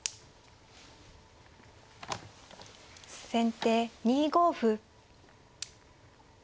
先手２五歩。